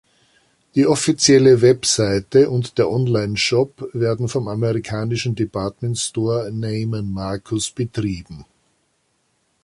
Die offizielle Webseite und der Onlineshop werden vom amerikanischen Department Store Neiman Marcus betrieben.